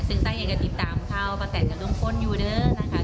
ซึ่งใต้กระติดตามเขาป้าแต่นกับลุงพลอยู่เนอะนะคะ